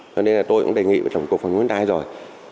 cho nên là tôi cũng đề nghị vào trong cuộc phòng chống thiên tai rồi